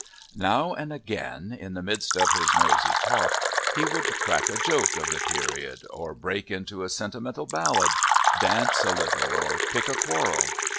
Now and again, in the midst of his noisy talk, he would crack a joke of the period, or break into a sentimental ballad, dance a little, or pick a quarrel.